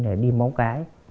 để đi móng cái